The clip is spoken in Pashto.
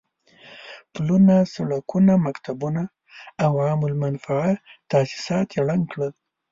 پلونه، سړکونه، مکتبونه او عام المنفعه تاسيسات يې ړنګ کړل.